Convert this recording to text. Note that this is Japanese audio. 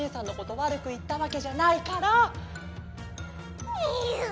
わるくいったわけじゃないから！にゅ